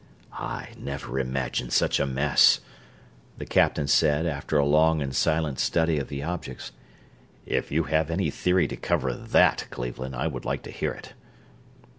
"I never imagined such a mess," the captain said, after a long and silent study of the objects. "If you have any theory to cover that, Cleveland, I would like to hear it!"